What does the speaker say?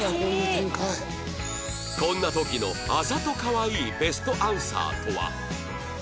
こんな時のあざとかわいいベストアンサーとは？